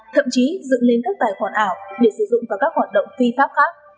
thậm chí dựng lên các tài khoản ảo để sử dụng vào các hoạt động phi pháp khác